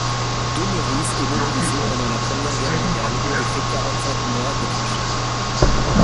Demeurisse est mobilisé pendant la Première Guerre mondiale et fait quarante-cinq mois de tranchées.